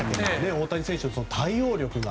大谷選手の対応力が。